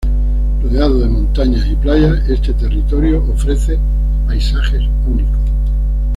Rodeado de montañas y playas, este territorio ofrece paisajes únicos.